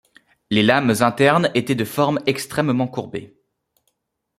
Les lames internes étaient de forme extrêmement courbée.